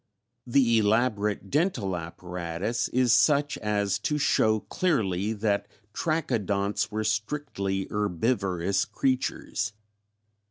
"The elaborate dental apparatus is such as to show clearly that Trachodonts were strictly herbivorous creatures.